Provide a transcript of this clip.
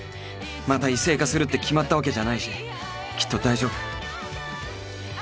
また異性化するって決まったわけじゃないしきっと大丈夫